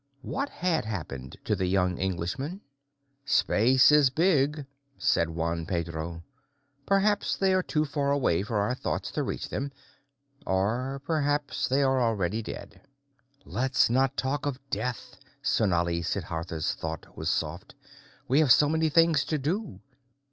What had happened to the young Englishman? "Space is big," said Juan Pedro. "Perhaps they are too far away for our thoughts to reach them or perhaps they are already dead." "Let's not talk of death." Sonali Siddhartha's thought was soft. "We have so many things to do."